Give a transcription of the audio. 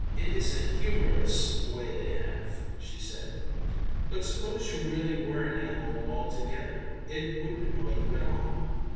"It is a humorous way they have," she said. "But suppose you really were an animal altogether, it wouldn't annoy you at all.